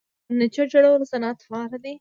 د فرنیچر جوړولو صنعت فعال دی